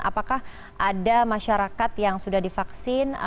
apakah ada masyarakat yang sudah divaksin